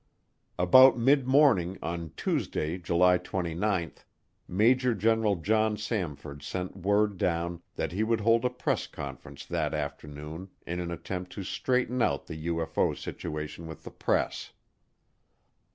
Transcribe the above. About midmorning on Tuesday, July 29th, Major General John Samford sent word down that he would hold a press conference that afternoon in an attempt to straighten out the UFO situation with the press.